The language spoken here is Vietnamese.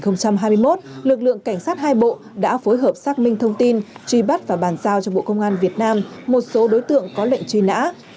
năm hai nghìn hai mươi một lực lượng cảnh sát hai bộ đã phối hợp xác minh thông tin truy bắt và bàn giao cho bộ công an việt nam một số đối tượng có lệnh truy nã